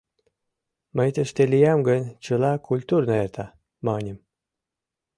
Мый тыште лиям гын, чыла культурно эрта! — маньым.